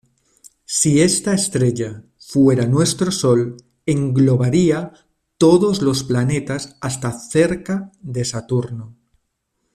Si esta estrella fuera nuestro Sol, englobaría todos los planetas hasta cerca de Saturno.